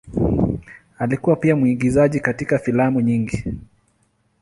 Alikuwa pia mwigizaji katika filamu nyingi.